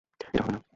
এটা হবে না।